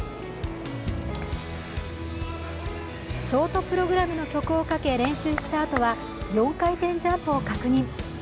ショートプログラムの曲をかけ練習したあとは４回転ジャンプを確認。